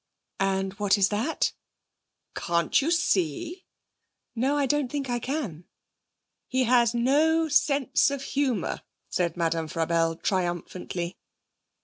'And what is that?' 'Can't you see?' 'No, I don't think I can.' 'He has no sense of humour!' said Madame Frabelle triumphantly.